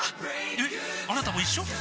えっあなたも一緒？